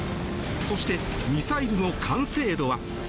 そしてミサイルの完成度は？